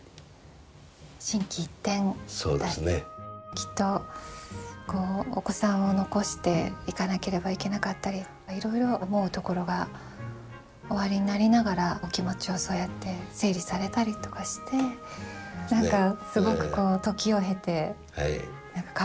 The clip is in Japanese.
きっとお子さんを残して行かなければいけなかったりいろいろ思うところがおありになりながらお気持ちをそうやって整理されたりとかして何かすごくこう時を経て感慨深いですね。